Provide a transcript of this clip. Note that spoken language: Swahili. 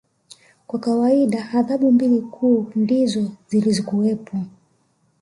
Kwa kawaida adhabu mbili kuu ndizo zilikuwepo